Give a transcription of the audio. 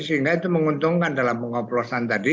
sehingga itu menguntungkan dalam pengoplosan tadi